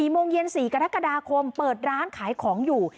โมงเย็น๔กรกฎาคมเปิดร้านขายของอยู่